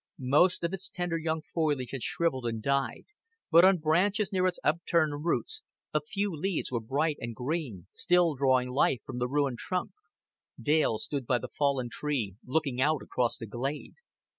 Most of its tender young foliage had shriveled and died, but on branches near its upturned roots a few leaves were bright and green, still drawing life from the ruined trunk. Dale stood by the fallen tree, looking out across the glade.